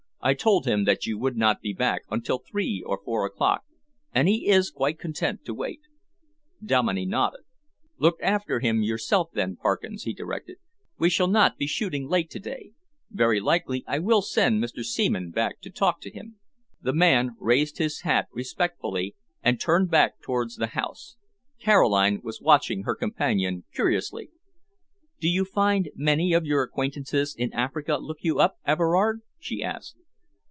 "I told him that you would not be back until three or four o'clock, and he is quite content to wait." Dominey nodded. "Look after him yourself then, Parkins," he directed. "We shall not be shooting late to day. Very likely I will send Mr. Seaman back to talk to him." The man raised his hat respectfully and turned back towards the house. Caroline was watching her companion curiously. "Do you find many of your acquaintances in Africa look you up, Everard?" she asked.